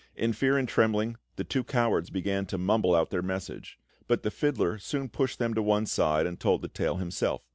In fear and trembling, the two cowards began to mumble out their message; but the fiddler soon pushed them to one side and told the tale himself.